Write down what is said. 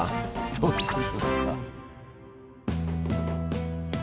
どういうことですか？